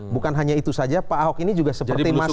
bukan hanya itu saja pak ahok ini juga seperti mas